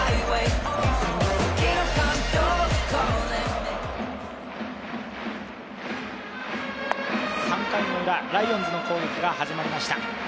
ぷはーっ３回ウラライオンズの攻撃が始まりました。